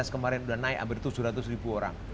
kemarin sudah naik hampir tujuh ratus ribu orang